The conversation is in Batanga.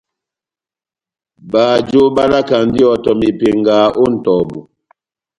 Bajo balakandi ihɔtɔ mepenga ó nʼtɔbu.